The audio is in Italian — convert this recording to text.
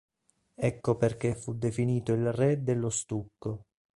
Ecco perché fu definito il re dello stucco”.